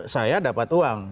saya dapat uang